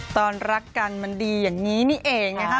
ตอนรักกันมันดีอย่างนี้นี่เองนะคะ